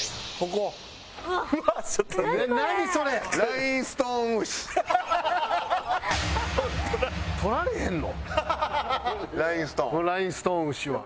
このラインストーン牛は。